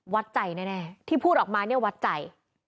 วัดใจแน่ที่พูดออกมาเนี่ยวัดใจ